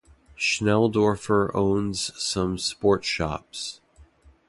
Schnelldorfer owns some sport shops.